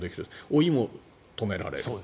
老いも止められる。